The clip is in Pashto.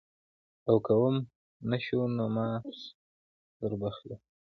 او که وم نه شو نو ما دربخلي.